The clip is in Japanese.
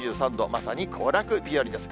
まさに行楽日和です。